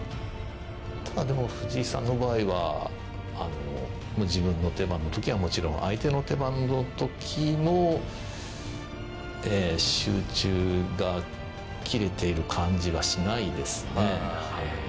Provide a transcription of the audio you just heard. ただ、でも、藤井さんの場合は自分の手番の時はもちろん開いての手番の時も集中が切れている感じはしないですね。